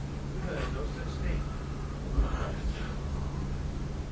You heard no such thing? —I did not.